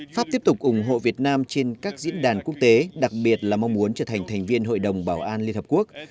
pháp tiếp tục ủng hộ việt nam trên các diễn đàn quốc tế đặc biệt là mong muốn trở thành thành viên hội đồng bảo an liên hợp quốc